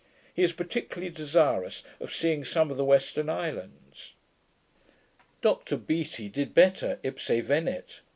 ']. He is particularly desirous of seeing some of the Western Islands. Dr Beattie did better: ipse venit.